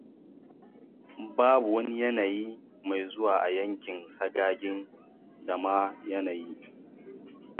babu wani yanayi mai zuwa a yankin sagagin da ma yanayi